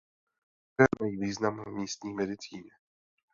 Některé druhy mají význam v místní medicíně.